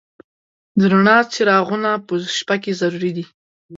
د رڼا څراغونه په شپه کې ضروري دي.